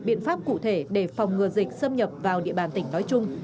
biện pháp cụ thể để phòng ngừa dịch xâm nhập vào địa bàn tỉnh nói chung